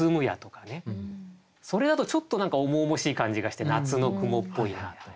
それだとちょっと何か重々しい感じがして夏の雲っぽいなと。